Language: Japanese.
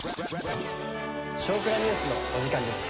「少クラＮＥＷＳ」のお時間です。